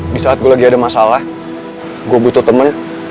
di saat gue lagi ada masalah gue butuh temen